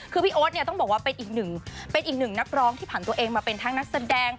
คือพี่โอ๊ตเนี่ยต้องบอกว่าเป็นอีกหนึ่งเป็นอีกหนึ่งนักร้องที่ผ่านตัวเองมาเป็นทั้งนักแสดง